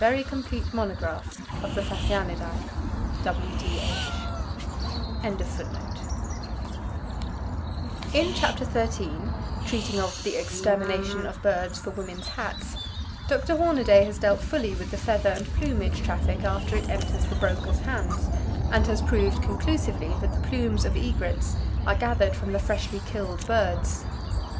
William Beebe Curator of Birds, New York Zoological Park In chapter XIII, treating of the "Extermination of Birds for Women's Hats," Dr. Hornaday has dealt fully with the feather and plumage traffic after it enters the brokers' hands, and has proved conclusively that the plumes of egrets are gathered from the freshly killed birds.